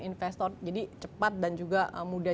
investor jadi cepat dan juga mudah